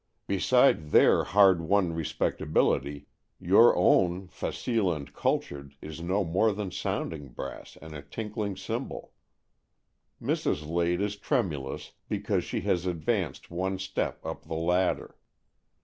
Beside their hard won respect AN EXCHANGE OF SOULS 67 ability, your own, facile and cultured, is no more than sounding brass and a tinkling cymbal. Mrs. Lade is tremulous, because she has advanced one step up the ladder.